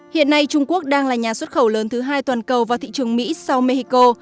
hiện nay trung quốc đang là nhà xuất khẩu lớn thứ hai toàn cầu vào thị trường mỹ sau mexico